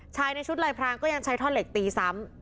ในชุดลายพรางก็ยังใช้ท่อนเหล็กตีซ้ำ